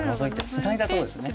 ツナいだとこですね。